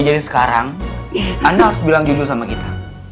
ya jadi sekarang anda harus bilang jujur sama kita